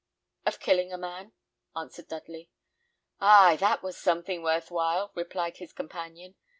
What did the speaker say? "Of killing a man," answered Dudley. "Ay, that was something worth while," replied his companion.